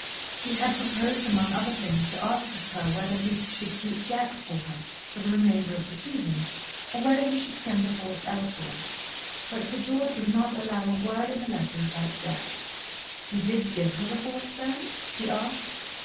He had proposed among other things to ask her whether he should keep Jack for her for the remainder of the season or whether he should send the horse elsewhere, but Sir George would not allow a word in the letter about Jack. "You did give her the horse then?" he asked.